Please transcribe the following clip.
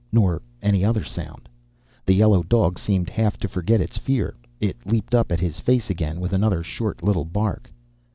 Nor any other sound. The yellow dog seemed half to forget its fear. It leaped up at his face again, with another short little bark.